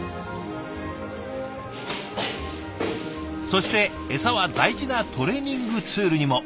そして餌は大事なトレーニングツールにも。